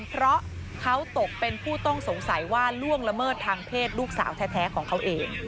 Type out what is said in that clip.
เพราะเขาตกเป็นผู้ต้องสงสัยว่าล่วงละเมิดทางเพศลูกสาวแท้ของเขาเอง